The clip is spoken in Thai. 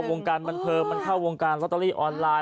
มันเข้าวงการบันเพิร์มมันเข้าวงการลอตเตอรี่ออนไลน์